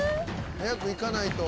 早く行かないと。